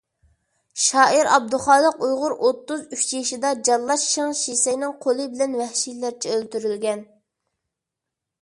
شائىر ئابدۇخالىق ئۇيغۇر ئوتتۇز ئۈچ يېشىدا جاللات شېڭ شىسەينىڭ قولى بىلەن ۋەھشىيلەرچە ئۆلتۈرۈلگەن.